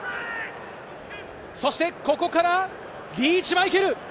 そしてここからリーチ・マイケル！